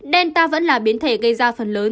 delta vẫn là biến thể gây ra phần lớn